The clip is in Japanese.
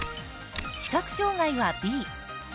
視覚障がいは、Ｂ。